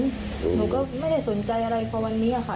หนูก็ไม่ได้สนใจอะไรพอวันนี้ค่ะ